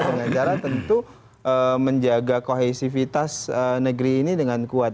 dengan cara tentu menjaga kohesivitas negeri ini dengan kuat